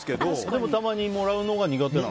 でも、たまにもらうのが苦手なの？